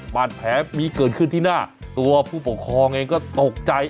บาดแผลมีเกิดขึ้นที่หน้าตัวผู้ปกครองเองก็ตกใจ